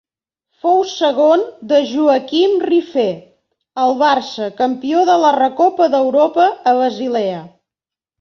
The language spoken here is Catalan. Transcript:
Fou segon de Joaquim Rifé al Barça campió de la Recopa d'Europa a Basilea.